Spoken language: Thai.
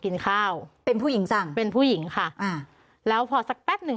กินข้าวเป็นผู้หญิงสั่งเป็นผู้หญิงค่ะอ่าแล้วพอสักแป๊บหนึ่ง